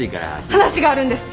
話があるんです。